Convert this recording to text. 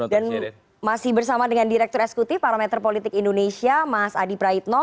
dan masih bersama dengan direktur eskutu parameter politik indonesia mas adi praitno